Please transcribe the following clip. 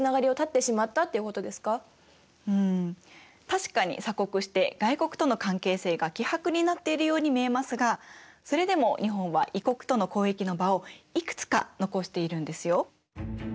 確かに鎖国して外国との関係性が希薄になっているように見えますがそれでも日本は異国との交易の場をいくつか残しているんですよ。